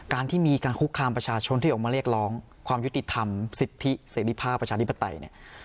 การที่มีการคุกคามประชาชนที่ออกมาเรียกร้องความยุติธรรมสิทธิเสรีภาพประชาธิปไตยเนี่ย